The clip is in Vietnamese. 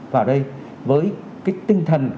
vào đây với cái tinh thần